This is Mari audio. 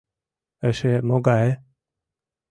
Эше могае?